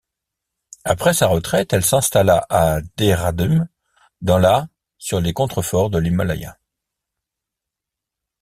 Après sa retraite, elle s'installa à Dehradun dans la sur les contreforts de l'Himalaya.